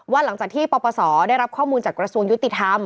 หลังจากที่ปปศได้รับข้อมูลจากกระทรวงยุติธรรม